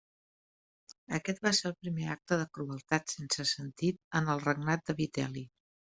Aquest va ser el primer acte de crueltat sense sentit en el regnat de Vitel·li.